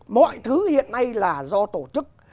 mọi thứ hiện nay là do tổ chức